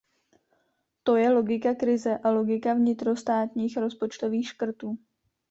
To je logika krize a logika vnitrostátních rozpočtových škrtů.